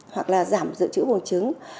hoặc là giảm dự trữ bùng trứng